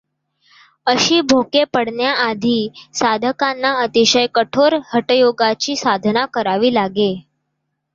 अशी भोके पाडण्याआधी साधकांना अतिशय कठोर हटयोगाची साधना करावी लागे.